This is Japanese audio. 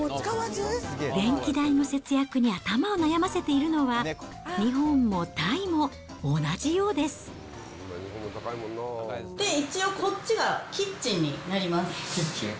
電気代の節約に頭を悩ませているのは、一応、こっちがキッチンになります。